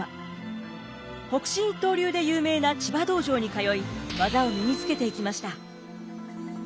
北辰一刀流で有名な千葉道場に通い技を身につけていきました。